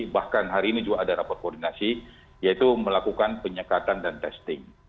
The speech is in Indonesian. bahkan hari ini juga ada rapat koordinasi yaitu melakukan penyekatan dan testing